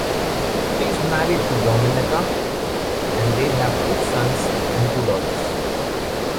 He is married to Domenica and they have two sons and two daughters.